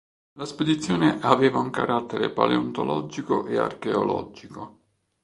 La spedizione aveva un carattere paleontologico e archeologico.